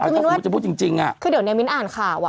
ถ้าสมมุติจะพูดจริงคือเดี๋ยวในมิ้นอ่านข่าวอ่ะ